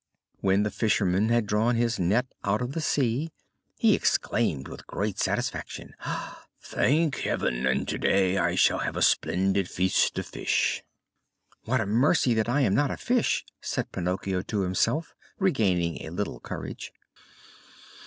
When the fisherman had drawn his net out of the sea, he exclaimed with great satisfaction: "Thank Heaven! Again today I shall have a splendid feast of fish!" "What a mercy that I am not a fish!" said Pinocchio to himself, regaining a little courage.